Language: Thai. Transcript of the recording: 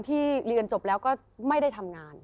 ที่๒๔๐บาท